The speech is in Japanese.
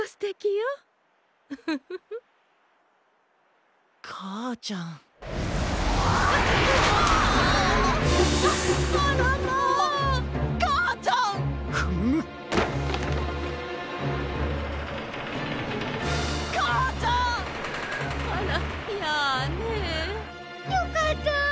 よかった！